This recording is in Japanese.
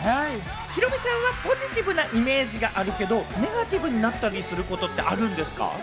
ヒロミさんはポジティブなイメージがあるけど、ネガティブになったりすることってあるんですか？